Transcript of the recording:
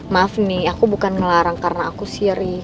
maaf nih aku bukan ngelarang karena aku siri